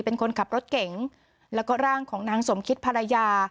เป็นคนขับรถเก๋งแล้วก็ร่างของนางสมคิดภรรยา